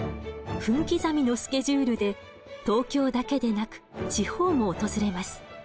分刻みのスケジュールで東京だけでなく地方も訪れます。